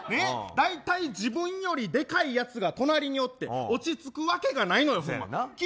大体、自分よりでかいやつが隣におって落ち着くわけないんやから。